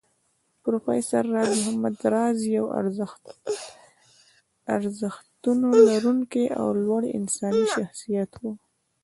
پروفېسر راز محمد راز يو ارزښتونه لرونکی او لوړ انساني شخصيت و